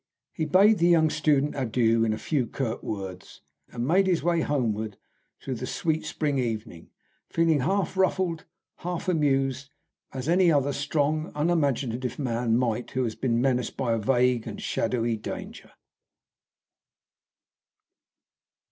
He bade the young student adieu in a few curt words, and made his way homeward through the sweet spring evening feeling half ruffled, half amused, as any other strong, unimaginative man might who has been menaced by a vague and shadowy danger.